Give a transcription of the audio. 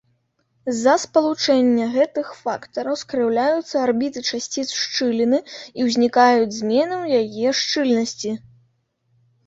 З-за спалучэння гэтых фактараў скрыўляюцца арбіты часціц шчыліны і ўзнікаюць змены ў яе шчыльнасці.